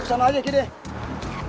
udah sama aja gini deh